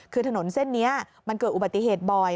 คือถนนเส้นนี้มันเกิดอุบัติเหตุบ่อย